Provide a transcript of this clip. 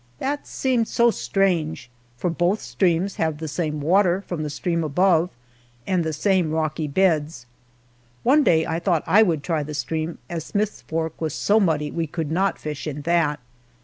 That seemed so strange, for both streams have the same water from the stream above, and the same rocky beds. One day I thought I would try the stream, as Smith's fork was so muddy we could not fish in that.